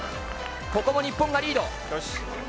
ここも日本がリード。